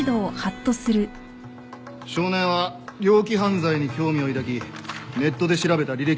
少年は猟奇犯罪に興味を抱きネットで調べた履歴が残ってる。